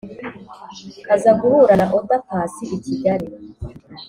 aza guhura na oda paccy i kigali,